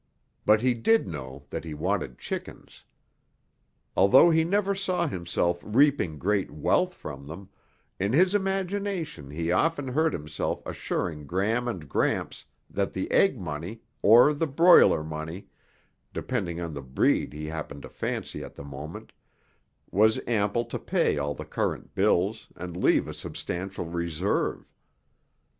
But he did know that he wanted chickens. Although he never saw himself reaping great wealth from them, in his imagination he often heard himself assuring Gram and Gramps that the egg money, or the broiler money, depending on the breed he happened to fancy at the moment, was ample to pay all the current bills and leave a substantial reserve.